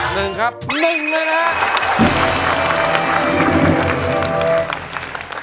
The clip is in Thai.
หนึ่งครับหนึ่งเลยนะครับ